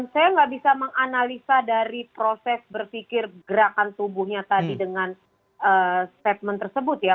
saya nggak bisa menganalisa dari proses berpikir gerakan tubuhnya tadi dengan statement tersebut ya